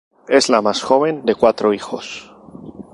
Es la más joven de cuatro hijos.